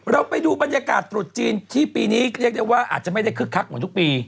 เราไปดูบรรยากาศตรุษจีนที่ปีนี้เรียกได้ว่าอาจจะไม่ได้คึกคักเหมือนทุกปี